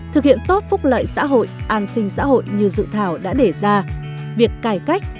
thực hiện tốt phúc lợi xã hội an sinh xã hội như dự thảo đã để ra việc cải cách